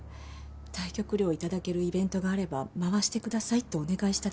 対局料を頂けるイベントがあれば回してくださいとお願いしただけです。